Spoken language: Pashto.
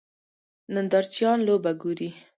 نندارچیان لوبه ګوري.